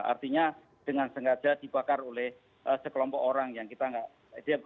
artinya dengan sengaja dibakar oleh sekelompok orang yang kita tidak